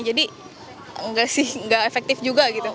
jadi nggak sih nggak efektif juga gitu